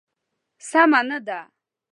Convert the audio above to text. سمه نه ده.